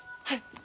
はい。